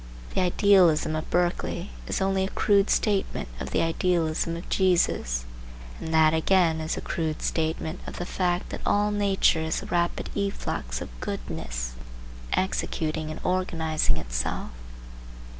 The idealism of Berkeley is only a crude statement of the idealism of Jesus, and that again is a crude statement of the fact that all nature is the rapid efflux of goodness executing and organizing itself.